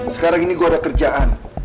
sekarang ini gue ada kerjaan